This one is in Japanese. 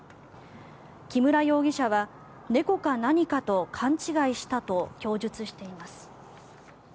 木村容疑者は猫か何かと勘違いしたと供述しています。